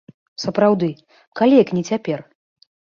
Сапраўды, калі як не цяпер?